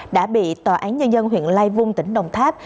đã bị tòa án nhân dân huyện lai vung tỉnh đồng tháp